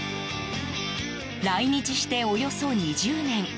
来日して、およそ２０年。